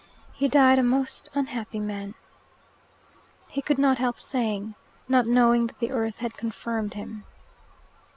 He died a most unhappy man." He could not help saying, "Not knowing that the earth had confirmed him."